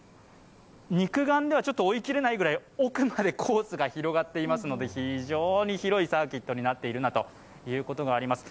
肉眼では追い切れないくらい奥までコースが広がっていますので非常に広いサーキットになっているなということがあります。